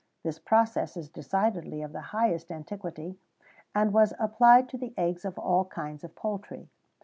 This process is decidedly of the highest antiquity, and was applied to the eggs of all kinds of poultry.